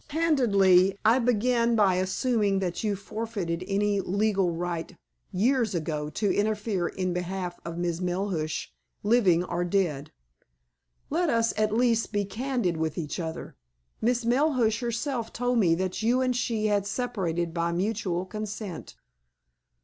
"Candidly, I began by assuming that you forfeited any legal right years ago to interfere in behalf of Miss Melhuish, living or dead. Let us, at least, be candid with each other. Miss Melhuish herself told me that you and she had separated by mutual consent."